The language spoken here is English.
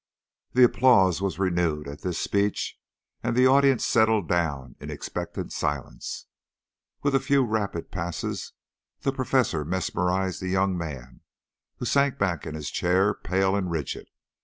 The applause was renewed at this speech, and the audience settled down in expectant silence. With a few rapid passes the Professor mesmerised the young man, who sank back in his chair, pale and rigid.